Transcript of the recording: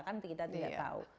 kan kita tidak tahu